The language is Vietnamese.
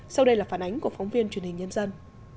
sau đây là phản ánh của phóng viên truyền hình nhân dân